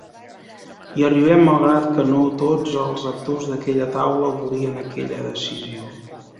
Hi arribem malgrat que no tots els actors d’aquella taula volien aquella decisió.